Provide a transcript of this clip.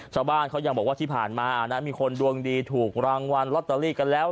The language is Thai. ชาวบ้านเขายังบอกว่าที่ผ่านมามีคนดวงดีถูกรางวัลลอตเตอรี่กันแล้ว